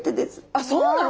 あっそうなの？